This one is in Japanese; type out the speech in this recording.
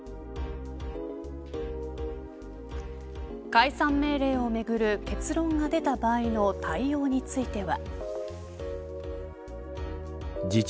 解散命令をめぐる結論が出た場合の対応については。